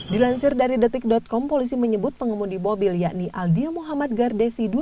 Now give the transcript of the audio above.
dilansir dari detik com polisi menyebut pengemudi mobil yakni aldia muhammad gardesidu